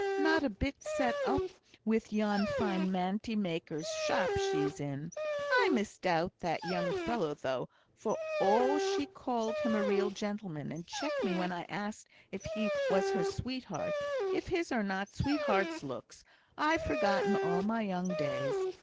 Not a bit set up with yon fine manty maker's shop she's in. I misdoubt that young fellow though, for all she called him a real gentleman, and checked me when I asked if he was her sweetheart. If his are not sweetheart's looks, I've forgotten all my young days.